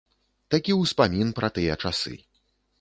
Такі ўспамін пра тыя часы.